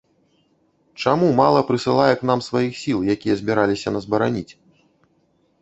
Чаму мала прысылае к нам сваіх сіл, якія збіраліся нас бараніць.